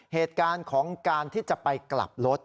เหตุการณ์ของการที่จะไปกลับรถ